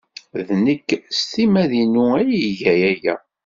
D nekk s timmad-inu ay iga aya.